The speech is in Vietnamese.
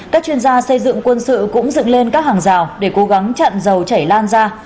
các chuyên gia xây dựng quân sự cũng dựng lên các hàng rào để cố gắng chặn dầu chảy lan ra